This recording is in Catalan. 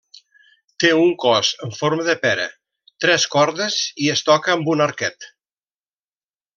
Té un cos en forma de pera, tres cordes i es toca amb un arquet.